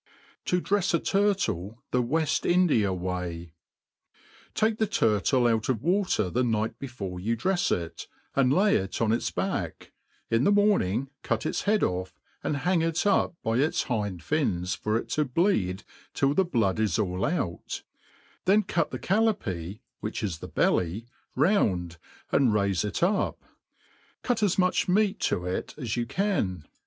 To drefs a Turtle the Wajl India Way. r^kyjL the turtle out of water the night before you drefs \ it, and lay it on its back, in the morning cut its head otT; aid han^r it up by its hind fins for it to bleed till' the blood is all out; then cut the callapee, which is the belly, roaad, a,^d raiie it upi cut as much meat to it as you can ; 9 throw MADE PLAIN AND EASY.